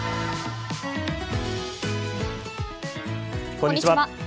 こんにちは。